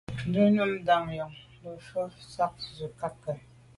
Njù num ndàn njon le’njù fa bo sô yub nkage.